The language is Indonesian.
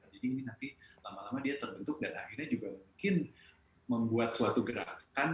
jadi ini nanti lama lama dia terbentuk dan akhirnya juga mungkin membuat suatu gerakan